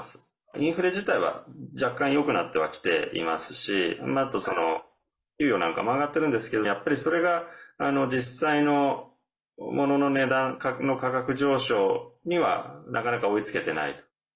インフレ自体は若干よくなってはきていますしあと給与なんかも上がってるんですけどやっぱり、それが実際の物の値段の価格上昇にはなかなか追いつけてないと。